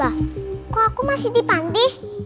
wah kok aku masih dipantih